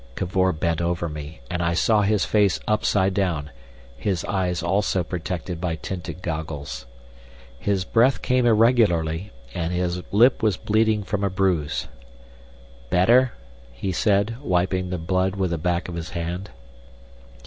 Cavor bent over me, and I saw his face upside down, his eyes also protected by tinted goggles. His breath came irregularly, and his lip was bleeding from a bruise. "Better?" he said, wiping the blood with the back of his hand.